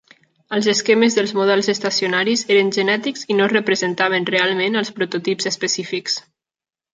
Els esquemes dels models estacionaris eren genètics i no representaven realment els prototips específics.